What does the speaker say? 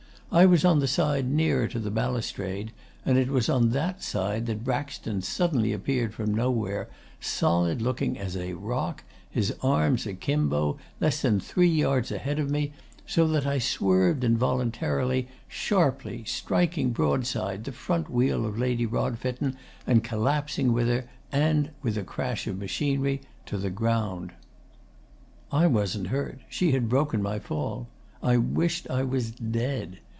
I was on the side nearer to the balustrade, and it was on that side that Braxton suddenly appeared from nowhere, solid looking as a rock, his arms akimbo, less than three yards ahead of me, so that I swerved involuntarily, sharply, striking broadside the front wheel of Lady Rodfitten and collapsing with her, and with a crash of machinery, to the ground. 'I wasn't hurt. She had broken my fall. I wished I was dead.